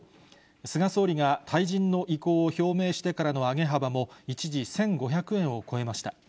菅総理が退陣の意向を表明してからの上げ幅も、一時１５００円を超えました。